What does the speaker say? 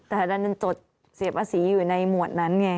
แต่นั่นมันโจทย์เสียปศีรภสีอยู่ในหมวดนั้นไง